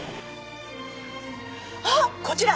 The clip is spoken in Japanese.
ああこちら！